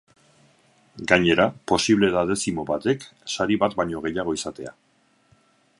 Gainera, posible da dezimo batek sari bat baino gehiago izatea.